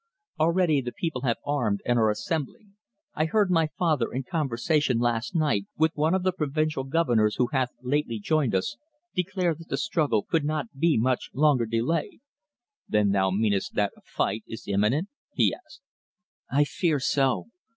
"Already the people have armed, and are assembling. I heard my father, in conversation last night with one of the provincial governors who hath lately joined us, declare that the struggle could not be much longer delayed." "Then thou meanest that a fight is imminent?" he asked. "I fear so.